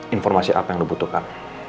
informasi apa yang lo butuhkan